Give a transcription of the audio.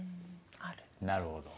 なるほど。